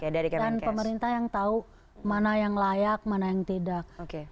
dan pemerintah yang tahu mana yang layak mana yang tidak